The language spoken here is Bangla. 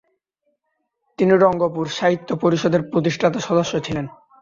তিনি রঙ্গপুর সাহিত্য পরিষদের প্রতিষ্ঠাতা সদস্য ছিলেন।